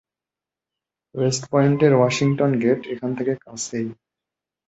West পয়েন্টের Washington gate এখান থেকে কাছেই।